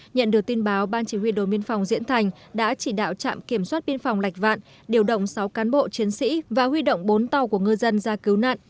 nhận được tin báo ban chỉ huy đồn biên phòng diễn thành đã chỉ đạo trạm kiểm soát biên phòng lạch vạn điều động sáu cán bộ chiến sĩ và huy động bốn tàu của ngư dân ra cứu nạn